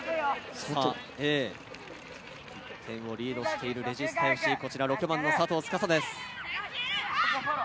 １点をリードしているレジスタＦＣ、６番の佐藤吏です。